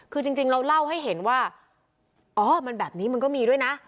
คือจริงเราเล่าให้เห็นว่าอ๋อมันแบบนี้มันก็มีด้วยนะ